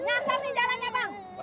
nyasar nih jalannya bang